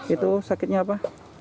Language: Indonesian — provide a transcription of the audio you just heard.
itu sakitnya apa